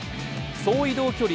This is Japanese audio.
総移動距離